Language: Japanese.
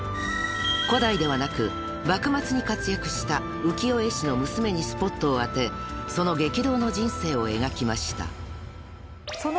［古代ではなく幕末に活躍した浮世絵師の娘にスポットを当てその激動の人生を描きました］